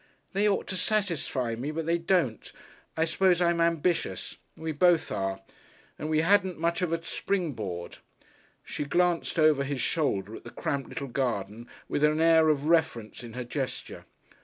"They ought to satisfy me. But they don't. I suppose I'm ambitious. We both are. And we hadn't much of a springboard." She glanced over his shoulder at the cramped little garden with an air of reference in her gesture.